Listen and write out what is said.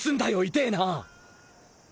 痛えなぁ。